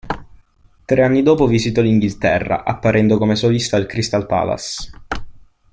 Tre anni dopo visitò l'Inghilterra, apparendo come solista al Crystal Palace.